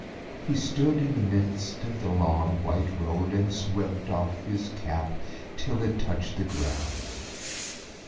He stood in the midst of the long, white road And swept off his cap till it touched the ground.